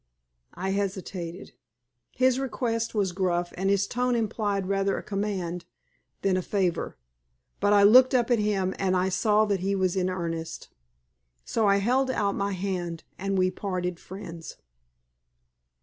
I hesitated. His request was gruff and his tone implied rather a command than a favor. But I looked up at him, and I saw that he was in earnest. So I held out my hand and we parted friends.